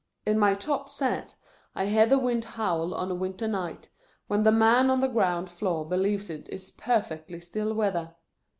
In my " top set," I hear the wind howl, on a winter night, when the man on the ground floor believes it is perfectly still weather.